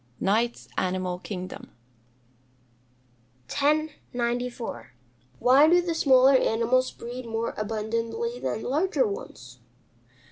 Knight's Animal Kingdom. 1094. _Why do the smaller animals breed more abundantly than the larger ones?